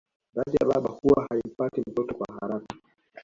Radhi ya baba huwa haimpati mtoto kwa haraka